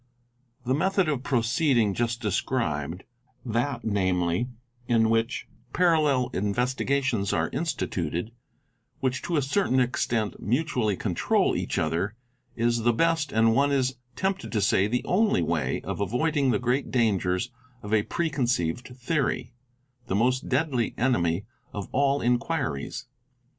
The method of proceeding just described, that namely, in which parallel investigations are instituted, which to a certain extent mutually control each other, is the best, and one is tempted to say the only, way of avoiding the great dangers of a " preconceived theory ''—the most ¢ 4 Q PRECONCEIVED THEORIES 2 15 _ deadly enemy of all inquiries.